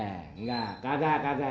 eh enggak kagak kagak